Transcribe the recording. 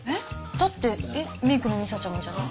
だってメイクの美佐ちゃんもじゃない？